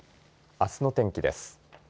あすの天気です。